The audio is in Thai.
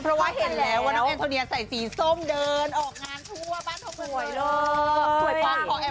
เพราะว่าเห็นแล้วว่าน้องแอนโทเนียใส่สีส้มเดินออกงานทั่วบ้านทงสวยเลย